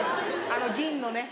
あの銀のね